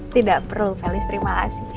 tidak perlu felis terima kasih